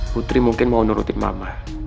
putri mungkin mau nurutin mama